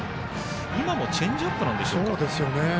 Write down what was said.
今のもチェンジアップでしょうか。